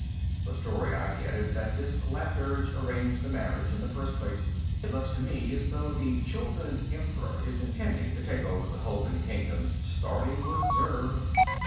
The story I get is that this Labdurg arranged the marriage, in the first place. It looks to me as though the Chuldun emperor is intending to take over the Hulgun kingdoms, starting with Zurb.